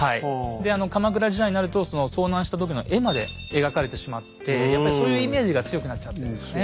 で鎌倉時代になると遭難した時の絵まで描かれてしまってやっぱりそういうイメージが強くなっちゃってるんですね。